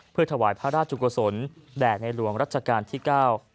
เพื่อถวายพระราชกุศลแด่ในหลวงรัชกาลที่เก้า